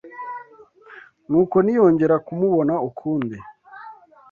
Nuko ntiyongera kumubona ukundi